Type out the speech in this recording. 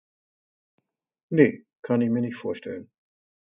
Ne, kann ich mir nicht vorstellen.